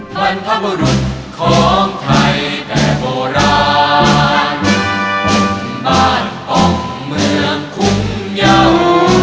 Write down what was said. ท่านพระบุรุษของไทยแต่โบราณบ้านออกเมืองคุ้มเยาว์